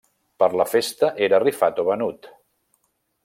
Per la festa era rifat o venut.